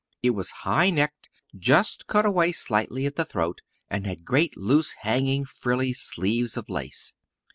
It was high necked, just cut away slightly at the throat, and had great, loose, hanging frilly sleeves of lace.